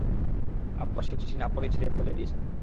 আব্বা সেই চিঠি না-পড়েই ছিঁড়ে ফেলে দিয়েছেন।